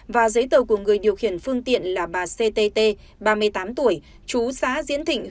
và giấy tờ của người điều khiển phương tiện là bà ctt ba mươi tám tuổi chú xã diễn thịnh